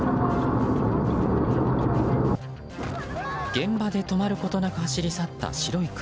現場で止まることなく走り去った白い車。